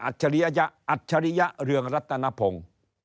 อัตชริยะเรืองรัตนภง